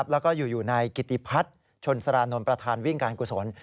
แล้วก็อยู่นายกิติพัฒน์ชนสารานนท์ประธานวิ่งการกุศล